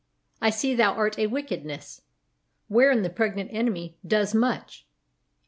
I see thou art a Wickedness, Wherein the pregnant Enemy does much.